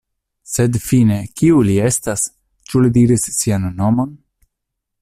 Sed fine, kiu li estas? Ĉu li diris sian nomon?